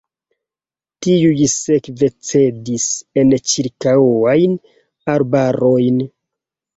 Tiuj sekve cedis en ĉirkaŭajn arbarojn.